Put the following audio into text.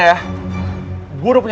gue udah punya rencana buat besok